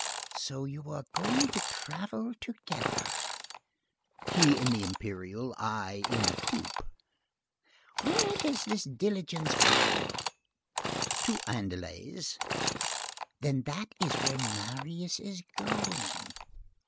"So you are going to travel together?" "He in the imperial, I in the coupé." "Where does this diligence run?" "To Andelys." "Then that is where Marius is going?"